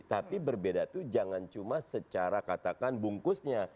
tapi berbeda itu jangan cuma secara katakan bungkusnya